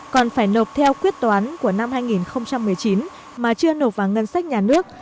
còn phải nộp theo quyết toán của năm hai nghìn một mươi chín mà chưa nộp vào ngân sách nhà nước